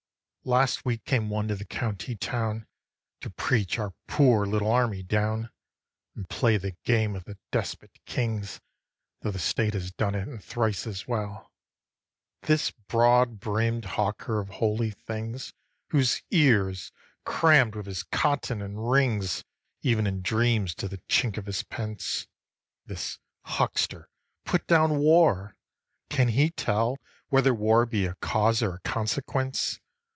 3. Last week came one to the county town, To preach our poor little army down, And play the game of the despot kings, Tho' the state has done it and thrice as well: This broad brim'd hawker of holy things, Whose ear is cramm'd with his cotton, and rings Even in dreams to the chink of his pence, This huckster put down war! can he tell Whether war be a cause or a consequence?